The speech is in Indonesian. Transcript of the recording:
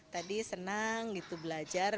tadi senang gitu belajar